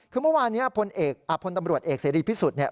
คือเมื่อวานนี้พลเอกพลตำรวจเอกเสรีพิสุทธิ์